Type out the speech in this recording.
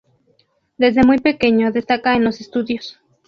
Desde muy pequeño destaca en los estudios.